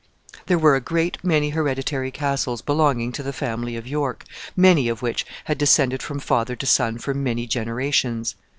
There were a great many hereditary castles belonging to the family of York, many of which had descended from father to son for many generations.